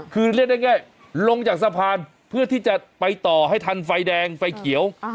คือเรียกได้ง่ายลงจากสะพานเพื่อที่จะไปต่อให้ทันไฟแดงไฟเขียว